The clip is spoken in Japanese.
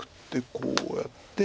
こうやって。